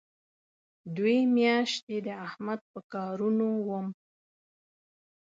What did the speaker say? دوې میاشتې د احمد په کارونو وم.